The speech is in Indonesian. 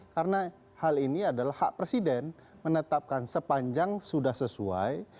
karena hal ini adalah hak presiden menetapkan sepanjang sudah sesuai